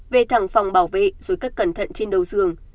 về thẳng phòng bảo vệ dối cất cẩn thận trên đầu giường